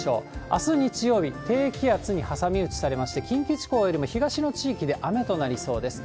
あす日曜日、低気圧に挟み撃ちされまして、近畿地方よりも東の地域で雨となりそうです。